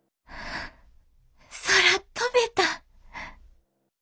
空飛べた！